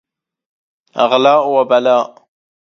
أغلاء وبلاء